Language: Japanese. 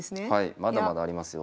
まだまだありますよ。